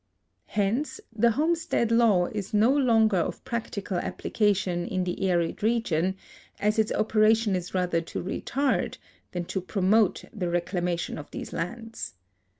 Hence the homestead law is no longer of practical application in the arid region, as its operation is rather to retard than to promote the reclamation of these lands.